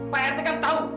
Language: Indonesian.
pak rt kan tahu